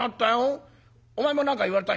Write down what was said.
お前も何か言われた？」。